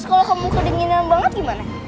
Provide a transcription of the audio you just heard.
kalau kamu kedinginan banget gimana